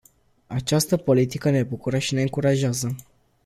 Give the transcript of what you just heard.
Această politică ne bucură și ne încurajează.